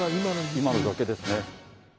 今だけですね。